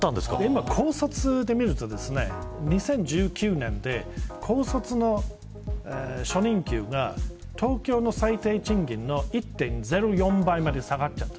今、高卒で見ると２０１９年で高卒の初任給が東京の最低賃金の１．０４倍まで下がっている。